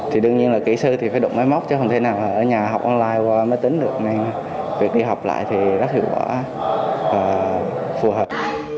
thì đương nhiên là kỹ sư thì phải đụng mấy mốc chứ không thể nào ở nhà học online qua máy tính được nên việc đi học lại thì rất hiệu quả và phù hợp